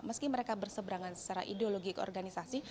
meski mereka berseberangan secara ideologi ke organisasi